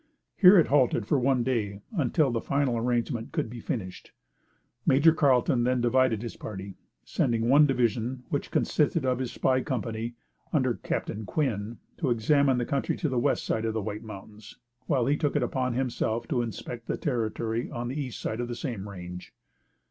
Here it halted for one day until the final arrangement could be finished. Major Carlton then divided his party, sending one division, which consisted of his spy company, under Captain Quinn, to examine the country on the west side of the White Mountains, while he took it upon himself to inspect the territory on the east side of the same range.